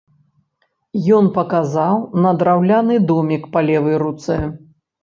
Ён паказаў на драўляны домік па левай руцэ.